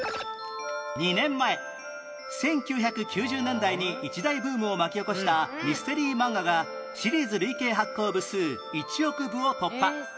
２年前１９９０年代に一大ブームを巻き起こしたミステリーマンガがシリーズ累計発行部数１億部を突破